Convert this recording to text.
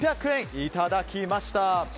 いただきました。